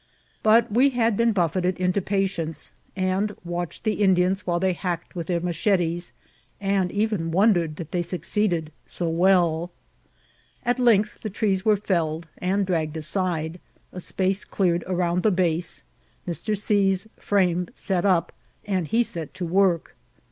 But we had been buffeted into patience, and watched the Indians while they hacked with their machetes, and even won dered that they succeeded so welL At length the trees vrere felled and dragged aside, a space cleared around the base, Mr. C.'s frame set up, and he set to work.